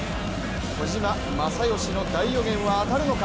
小島正義の大予言は当たるのか。